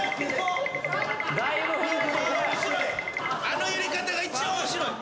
あの揺れ方が一番面白い。